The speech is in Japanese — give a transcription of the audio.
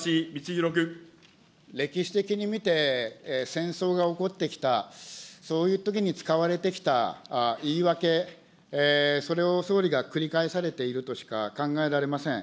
歴史的に見て、戦争が起こってきた、そういうときに使われてきた言い訳、それを総理が繰り返されているとしか考えられません。